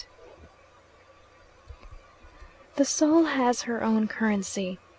XXVIII The soul has her own currency.